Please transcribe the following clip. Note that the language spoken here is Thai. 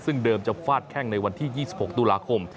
ซึ่งเดิมจะฟาดแข้งในวันที่๒๖ตุลาคม